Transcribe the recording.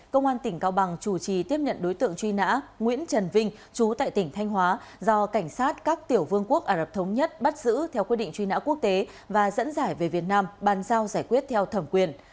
công an tỉnh cao bằng chủ trì tiếp nhận đối tượng truy nã nguyễn trần vinh chú tại tỉnh thanh hóa do cảnh sát các tiểu vương quốc ả rập thống nhất bắt giữ theo quyết định truy nã quốc tế và dẫn giải về việt nam bàn giao giải quyết theo thẩm quyền